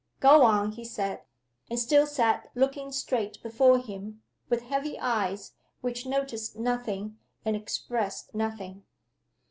"Go on!" he said and still sat looking straight before him, with heavy eyes, which noticed nothing, and expressed nothing.